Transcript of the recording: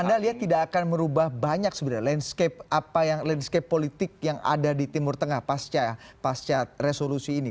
dan anda lihat tidak akan merubah banyak sebenarnya landscape politik yang ada di timur tengah pasca resolusi ini